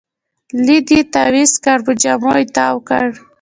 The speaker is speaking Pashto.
لیک یې تاویز کړ، په جامو کې تاوکړ